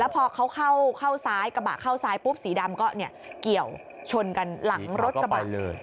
พอเขาเข้าซ้ายกระบะเข้าซ้ายปุ๊บสีดำก็เกี่ยวชนกันหลังรถกระบะเลย